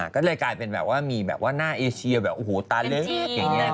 ก็เลยมีแบบหน้าเอเชียโอโหตาเล็ก